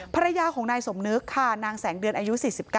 ภรรยาของนายสมนึกค่ะนางแสงเดือนอายุ๔๙